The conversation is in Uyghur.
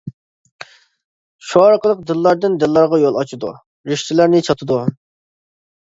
شۇ ئارقىلىق دىللاردىن دىللارغا يول ئاچىدۇ، رىشتىلەرنى چاتىدۇ.